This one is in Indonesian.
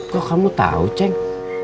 kok kamu tahu ceng